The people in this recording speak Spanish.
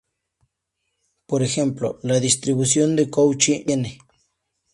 Por ejemplo, la distribución de Cauchy no lo tiene.